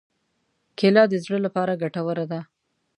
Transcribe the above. کېله د زړه لپاره ګټوره ده.